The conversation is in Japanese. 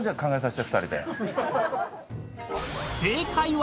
［正解は？］